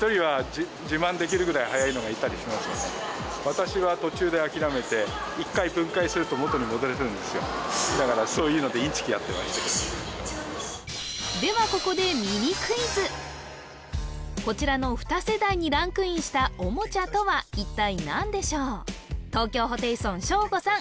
私はではここでこちらの２世代にランクインしたおもちゃとは一体何でしょう東京ホテイソンショーゴさん